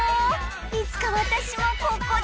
いつか私もここで。